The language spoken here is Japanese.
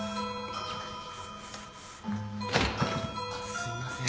・すいません。